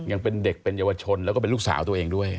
ยังเป็นเด็กเป็นเยาวชนแล้วก็เป็นลูกสาวตัวเองด้วย